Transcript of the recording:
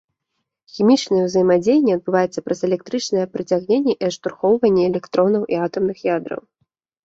Хімічнае ўзаемадзеянне адбываецца праз электрычнае прыцягненне і адштурхоўванне электронаў і атамных ядраў.